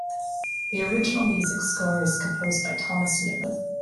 The original music score is composed by Thomas Newman.